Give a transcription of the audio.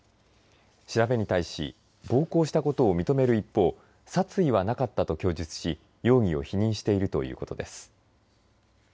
調べに対し暴行したことを認める一方殺意はなかったと供述し容疑を否認しているということです。